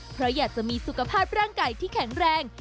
เพราะอยากจะมีสุขภาพร่างกายที่แข็งแรง